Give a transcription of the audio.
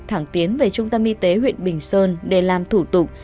thẳng tiến về trung tâm y tế huyện bình sơn để làm thủ tục